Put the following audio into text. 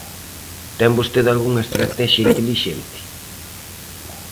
¿Ten vostede algunha estratexia intelixente?